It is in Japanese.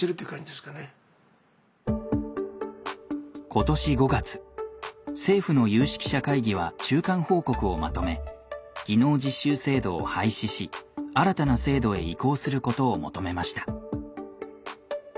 今年５月政府の有識者会議は中間報告をまとめ技能実習制度を廃止し新たな制度へ移行することを求めました。